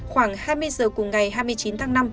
khoảng hai mươi giờ cùng ngày hai mươi chín tháng năm